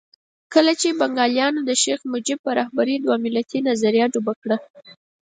کله چې بنګالیانو د شیخ مجیب په رهبرۍ دوه ملتي نظریه ډوبه کړه.